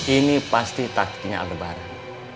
ini pasti takdirnya al rubahran